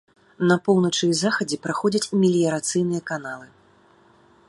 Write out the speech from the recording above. На поўначы і захадзе праходзяць меліярацыйныя каналы.